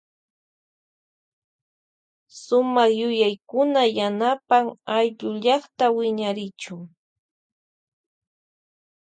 Sumak yuyaykuna yanapan aylly llakta wiñarichu.